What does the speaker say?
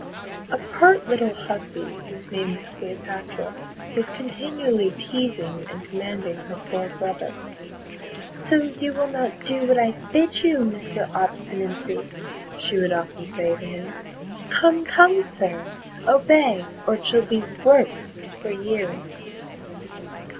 A pert little hussey, whose name was Cleopatra, was continually teasing and commanding her poor brother. "So, you will not do what I bid you, Mr. Obstinacy?" she would often say to him: "Come, come, Sir, obey, or it shall be worse for you."